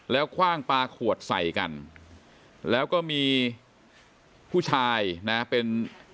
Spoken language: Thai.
แล้วคว่างปลาขวดใส่กันแล้วก็มีผู้ชายนะเป็น